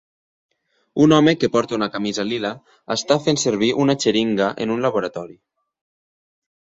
Un home que porta una camisa lila està fent servir una xeringa en un laboratori.